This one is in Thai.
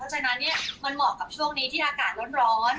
นั้นแน่นอนนี่มันเหมาะกับช่วงนี้ที่อากาศร้อน